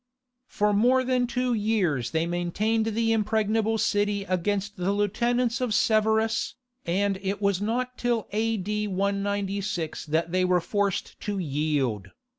For more than two years they maintained the impregnable city against the lieutenants of Severus, and it was not till A.D. 196 that they were forced to yield.